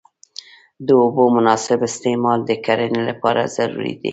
د اوبو مناسب استعمال د کرنې لپاره ضروري دی.